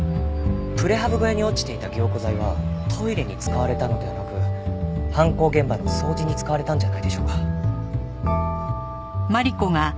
プレハブ小屋に落ちていた凝固剤はトイレに使われたのではなく犯行現場の掃除に使われたんじゃないでしょうか？